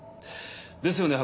ですよね？